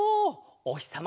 おひさま